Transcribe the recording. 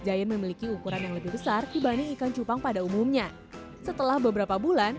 giant memiliki ukuran yang lebih besar dibanding ikan cupang pada umumnya setelah beberapa bulan